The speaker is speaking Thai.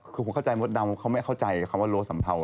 คือผมเข้าใจมดดำเขาไม่เข้าใจคำว่ารั้วสัมเภา